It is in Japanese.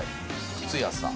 靴屋さん。